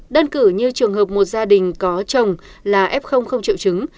đơn cử như trường hợp một gia đình có chồng là f không triệu chứng